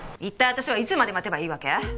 一体私はいつまで待てばいいわけ？